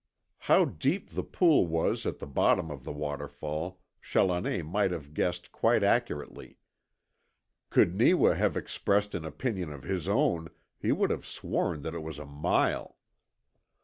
How deep the pool was at the bottom of the waterfall Challoner might have guessed quite accurately. Could Neewa have expressed an opinion of his own, he would have sworn that it was a mile.